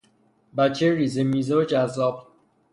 بچهی ریزه میزه و جذاب